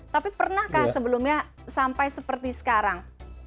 tapi pernahkah sebelumnya sampai seperti sekarang